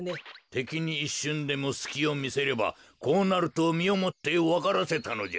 てきにいっしゅんでもすきをみせればこうなるとみをもってわからせたのじゃ。